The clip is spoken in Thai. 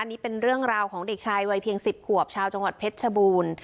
นี่เป็นเรื่องราวของเด็กชายวัยเพียง๑๐ขวบชาวจังหวัดเพชรชบูรณ์